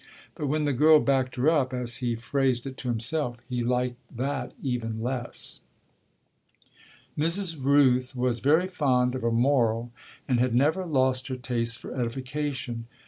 But when the girl backed her up, as he phrased it to himself, he liked that even less. Mrs. Rooth was very fond of a moral and had never lost her taste for edification.